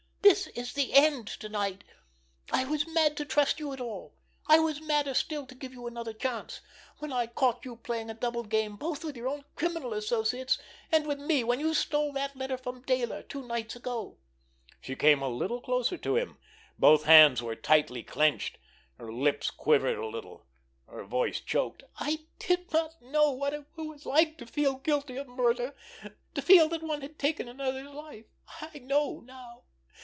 This is the end to night! I was mad to trust you at all. I was madder still to give you another chance, when I caught you playing a double game both with your own criminal associates and with me when you stole that letter from Dayler two nights ago!" She came a little closer to him. Both hands were tightly clenched. Her lips quivered a little; her voice choked. "I did not know what it was like to feel guilty of murder, to feel that one had taken another's life. I know now.